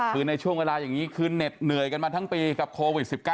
คือในช่วงเวลาอย่างนี้คือเหน็ดเหนื่อยกันมาทั้งปีกับโควิด๑๙